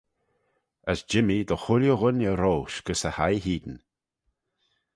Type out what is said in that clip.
As jimmee dy chooilley ghooinney roish gys e hie hene.